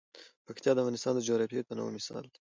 پکتیا د افغانستان د جغرافیوي تنوع مثال دی.